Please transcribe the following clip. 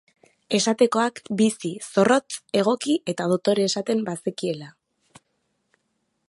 Esatekoak bizi, zorrotz, egoki eta dotore esaten bazekiela.